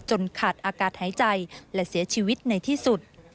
ขาดอากาศหายใจและเสียชีวิตในที่สุด